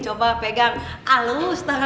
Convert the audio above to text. coba pegang alus deh